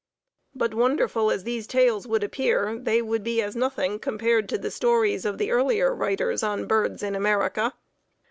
But wonderful as these tales would appear, they would be as nothing compared to the stories of the earlier writers on birds in America.